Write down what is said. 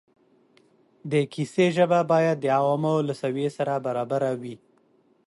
د کیسې ژبه باید د عوامو له سویې سره برابره وي.